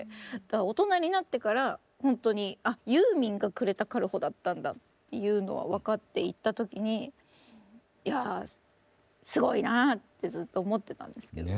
大人になってからほんとにあユーミンが呉田軽穂だったんだっていうのは分かっていった時にいやあすごいなあってずっと思ってたんですけど。